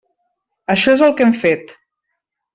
Això és el que hem fet.